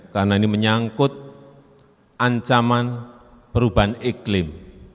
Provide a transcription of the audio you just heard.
karena ini menyangkut ancaman perubahan iklim